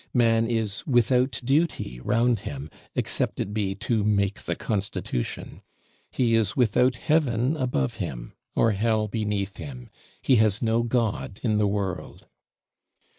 Man is without Duty round him; except it be "to make the Constitution." He is without Heaven above him, or Hell beneath him; he has no God in the world.